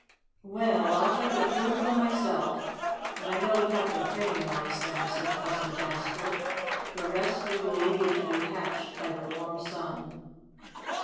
"Well, I'll take a few for myself, and I know Captain Crane likes them," said Cousin Jasper. "The rest we will leave to be hatched by the warm sun."